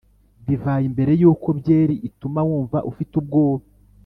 divayi mbere yuko byeri ituma wumva ufite ubwoba!